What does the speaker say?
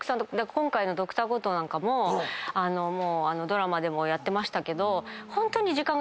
今回の『Ｄｒ．コトー』なんかもドラマでもやってましたけど。